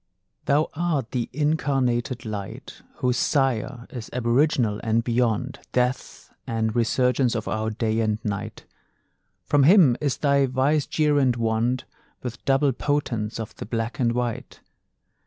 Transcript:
Thou art the incarnated Light Whose Sire is aboriginal, and beyond Death and resurgence of our day and night; From him is thy vicegerent wand With double potence of the black and white.